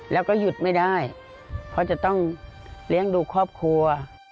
แล้วก็หยุดไม่ได้เพราะจะต้องเลี้ยงดูครอบครัว